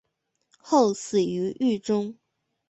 后死于狱中。